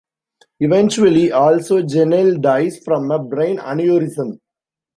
Eventually, also Janelle dies from a brain aneurysm.